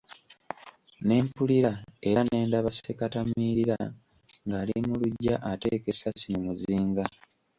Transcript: Ne mpulira era ne ndaba sekatamiirira, ng'ali mu luggya ateeka essasi mu muzinga.